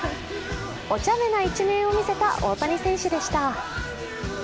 お茶目な一面を見せた大谷選手でした。